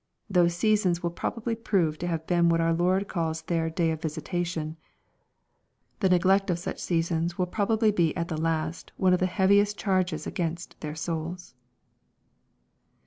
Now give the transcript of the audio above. Those seasons will probably prove to have been what our Lord calls their " day of visitation." The neglect of such seasons will probably be at last one of the heaviest charges against their souls.